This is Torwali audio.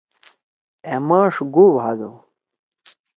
أ ماݜ گو بھادُو۔